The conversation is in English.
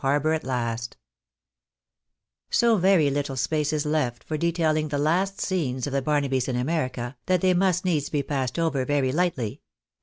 CHAPTER XLIV So very little space is left for detailing the last scenes of the Barnabys in America, that they must needs be passed over very lightly.